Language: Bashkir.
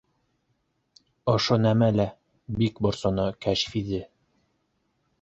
Ошо нәмә лә бик борсоно Кәшфиҙе